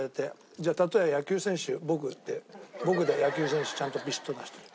じゃあ例え野球選手僕で僕で野球選手ちゃんとビシッと出しときます。